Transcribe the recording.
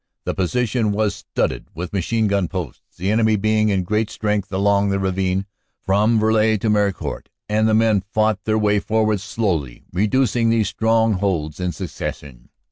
The position was studded with machine gun posts, the enemy being in great strength along the ravine from Vrely to Meharicourt, and the men fought their way forward slowly, reducing these strong holds in succession.